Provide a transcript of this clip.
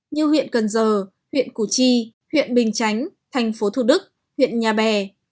như huyện cần giờ huyện củ chi huyện bình chánh thành phố thủ đức huyện nhà bè